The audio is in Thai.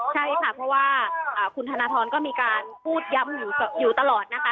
ใช่ค่ะเพราะว่าคุณธนทรก็มีการพูดย้ำอยู่ตลอดนะคะ